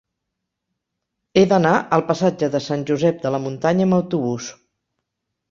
He d'anar al passatge de Sant Josep de la Muntanya amb autobús.